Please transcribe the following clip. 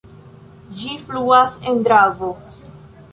Ĝi fluas en Dravo.